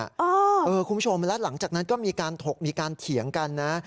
คุณผู้ชมแล้วหลังจากนั้นก็มีการถกมีการเถียงกันนะ